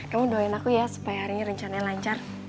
kamu doain aku ya supaya hari ini rencananya lancar